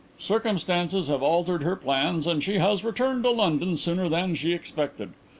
Circumstances have altered her plans and she has returned to London sooner than she expected.